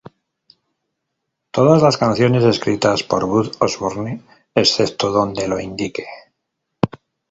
Todas las canciones escritas por Buzz Osborne excepto donde lo indique.